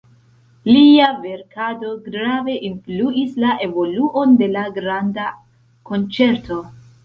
Lia verkado grave influis la evoluon de la granda konĉerto.